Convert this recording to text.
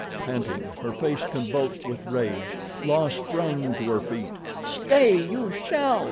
Panting—her face convulsed with rage, La sprang to her feet. "Stay, you shall!"